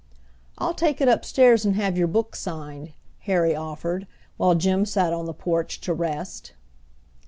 "I'll take it upstairs and have your book signed," Harry offered, while Jim sat on the porch to rest.